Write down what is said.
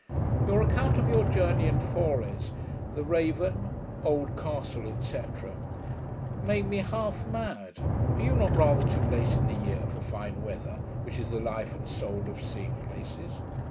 Your account of your journey to Fores, the RAVEN, OLD CASTLE, &c. &c. made me half mad. Are you not rather too late in the year for fine weather, which is the life and soul of seeing places?